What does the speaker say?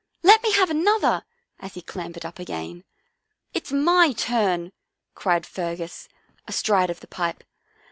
" Let me have another! " as he clambered up again. " It's my turn," cried Fergus, astride of the pipe.